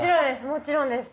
もちろんです。